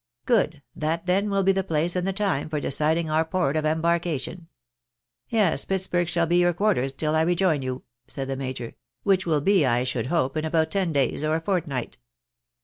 " Good ; that, then, will be the place and the time for deciding our port of embarkation. Yes, Pittsburg shall be your quarters till I rejoin you," said the major, " which will be, I should hope. La about ten days or a fortnight."